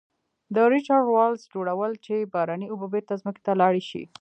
د Recharge wells جوړول چې باراني اوبه بیرته ځمکې ته لاړې شي.